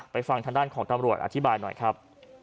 ฟังทางด้านของตำรวจอธิบายหน่อยครับ